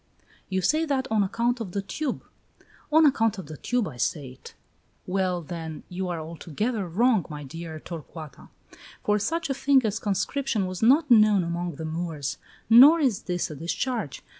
"You say that on account of the tube." "On account of the tube I say it." "Well, then, you are altogether wrong, my dear Torcuata, for such a thing as conscription was not known among the Moors, nor is this a discharge.